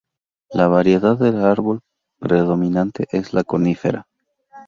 La variedad de árbol predominante es la conífera.